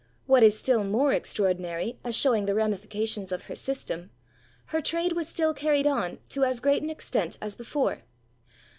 What is still more extraordinary, as shewing the ramifications of her system, her trade was still carried on to as great an extent as before.